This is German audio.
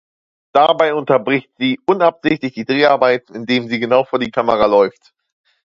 Dabei unterbricht sie unabsichtlich die Dreharbeiten, indem sie genau vor die Kamera läuft.